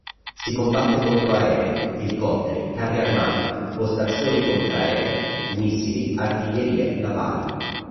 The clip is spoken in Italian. Si combatte contro aerei, elicotteri, carri armati, postazioni contraeree, missili, artiglierie navali.